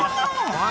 はい。